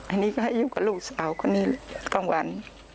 อันนี้ก็ให้อยู่กับลูกสาวคนนี้กลางวัน